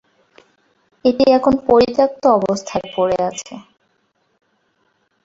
এটি এখন পরিত্যক্ত অবস্থায় পড়ে আছে।